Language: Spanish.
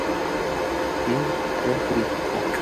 Y- Tren turístico.